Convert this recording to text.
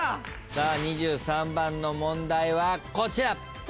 さあ２３番の問題はこちら。